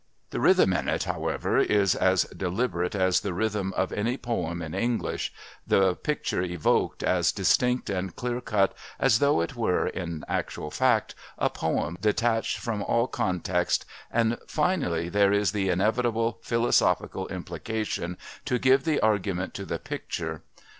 The rhythm in it, however, is as deliberate as the rhythm of any poem in English, the picture evoked as distinct and clear cut as though it were, in actual fact, a poem detached from all context and, finally, there is the inevitable philosophical implication to give the argument to the picture.